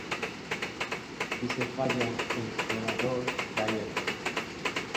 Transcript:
Si se falla, el explorador se cae al suelo.